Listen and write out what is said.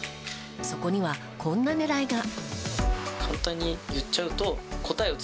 そこには、こんな狙いが。